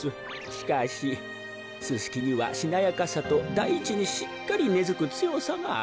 しかしススキにはしなやかさとだいちにしっかりねづくつよさがある。